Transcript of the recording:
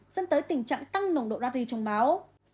dẫn tới tình trạng tăng nồng độ nacri trong máu